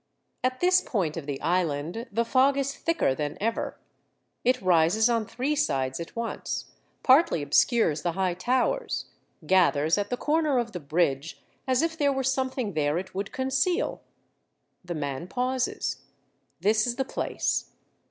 At this point of the Island the fog is thicker than ever. It rises on three sides at once, partly obscures the high towers, gathers at the corner of the bridge, as if there were something there it would conceal. The man pauses. This is the place.